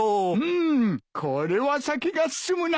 んこれは酒が進むな。